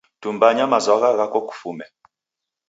Tumbanya mazwagha ghako kufume.